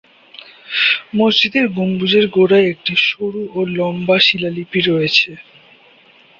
মসজিদের গম্বুজের গোড়ায় একটি সরু ও লম্বা শিলালিপি রয়েছে।